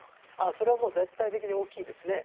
それは絶対的に大きいですね。